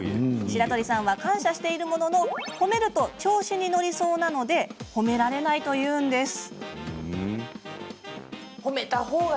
白鳥さんは感謝しているものの褒めると調子に乗りそうなので褒められないというんです。